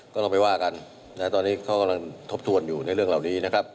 ก็ลองไปว่ากันตอนนี้เขากำลังทบทวนอยู่ในเรื่องเหล่านี้นะครับ